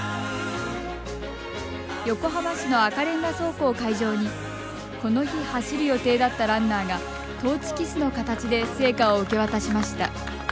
横浜市の赤レンガ倉庫を会場にこの日走る予定だったランナーがトーチキスの形で聖火を受け渡しました。